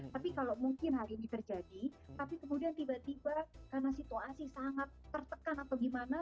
tapi kalau mungkin hal ini terjadi tapi kemudian tiba tiba karena situasi sangat tertekan atau gimana